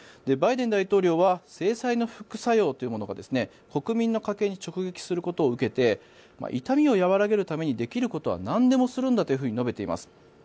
バイデン大統領は制裁の副作用というものが国民の家計に直撃することを受けて痛みを和らげるためにできることはなんでもするんだと述べています。